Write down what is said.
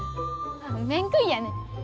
面食いやねん。